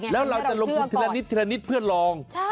และเราจะลงทุกไปให้พวกเราลอง